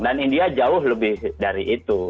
dan india jauh lebih dari itu